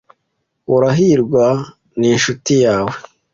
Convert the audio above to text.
Urahirwa ninshuti yawe.